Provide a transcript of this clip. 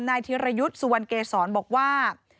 ธิรยุทธ์สุวรรณเกษรบอกว่า